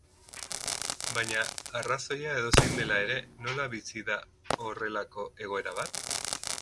Baina arrazoia edozein dela ere, nola bizi da horrelako egoera bat?